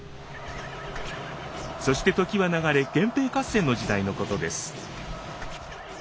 そして時は流れ源平合戦の時代のことです。